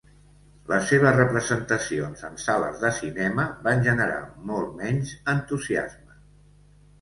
Les seves representacions en sales de cinema van generar molt menys entusiasme.